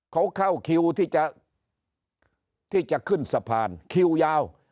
เขาเข้าคิวที่จะขึ้นสะพานคิวยาว